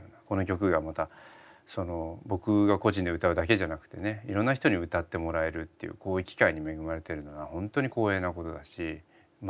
この曲がまた僕が個人で歌うだけじゃなくてねいろんな人に歌ってもらえるっていうこういう機会に恵まれてるのはホントに光栄なことだし。